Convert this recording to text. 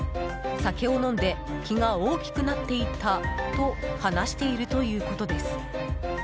酒を飲んで気が大きくなっていたと話しているということです。